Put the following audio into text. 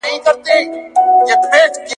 • د توري ټپ ښه کېږي، د ژبي ټپ نه ښه کېږي.